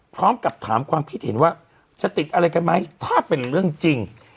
พร้อมกับถามความคิดเห็นว่าจะติดอะไรกันไหมถ้าเป็นเรื่องจริง